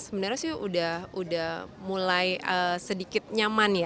sebenarnya sudah mulai sedikit nyaman